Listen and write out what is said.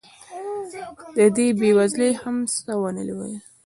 دې بې وزلې هم څه ونه ویل.